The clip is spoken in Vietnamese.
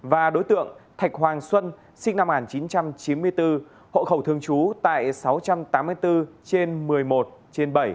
và đối tượng thạch hoàng xuân sinh năm một nghìn chín trăm chín mươi bốn hộ khẩu thường trú tại sáu trăm tám mươi bốn trên một mươi một trên bảy